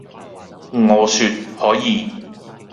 我説「可以！」